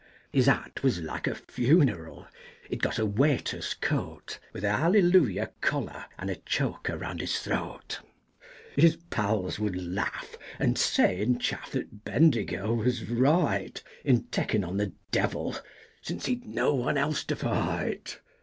His hat was like a funeral, he'd got a waiter's coat, With a hallelujah collar and a choker round his throat, His pals would laugh and say in chaff that Bendigo was right, In takin' on the devil, since he'd no one else to fight.